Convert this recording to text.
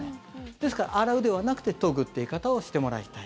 ですから洗うではなく研ぐという言い方をしてもらいたい。